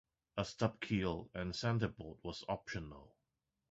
A stub keel and centerboard was optional.